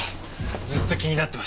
ずっと気になってました。